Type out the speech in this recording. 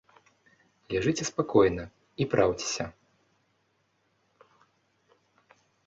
Ляжыце спакойна і праўцеся.